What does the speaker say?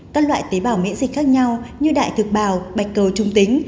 các loại tế bào miễn dịch khác nhau như đại thực bào bạch cầu trung tính